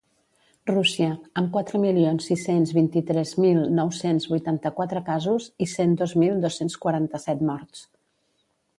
Rússia, amb quatre milions sis-cents vint-i-tres mil nou-cents vuitanta-quatre casos i cent dos mil dos-cents quaranta-set morts.